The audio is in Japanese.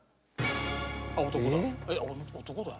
あっ男だ。